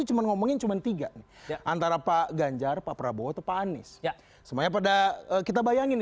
cuman ngomongin cuman tiga antara pak ganjar pak prabowo tepanis semuanya pada kita bayangin